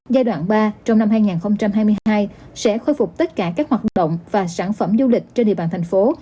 giai đoạn ba trong năm hai nghìn hai mươi hai sẽ khôi phục tất cả các hoạt động và sản phẩm du lịch trên địa bàn thành phố